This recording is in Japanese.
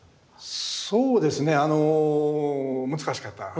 そうですねあの難しかった。